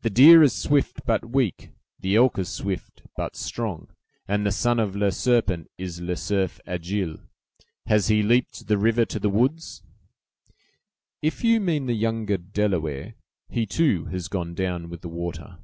"The deer is swift, but weak; the elk is swift, but strong; and the son of 'Le Serpent' is 'Le Cerf Agile.' Has he leaped the river to the woods?" "If you mean the younger Delaware, he, too, has gone down with the water."